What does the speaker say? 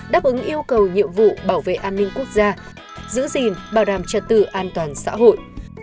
đáp ứng yêu cầu nhiệm vụ bảo vệ an ninh quốc gia giữ gìn bảo đảm trật tự an toàn xã hội